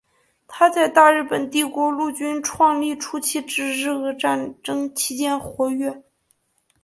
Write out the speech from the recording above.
他在大日本帝国陆军创立初期至日俄战争期间活跃。